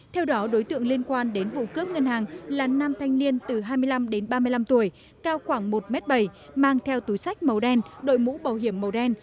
theo đó đối tượng liên quan đến vụ cướp ngân hàng là nam thanh niên từ hai mươi năm đến ba mươi năm tuổi cao khoảng một m bảy mang theo túi sách màu đen đội mũ bảo hiểm màu đen